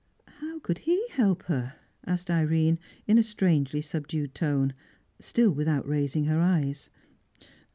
"How could he help her?" asked Irene, in a strangely subdued tone, still without raising her eyes.